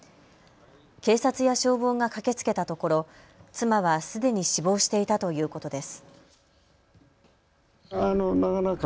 警察や消防が駆けつけたところ妻はすでに死亡していたということです。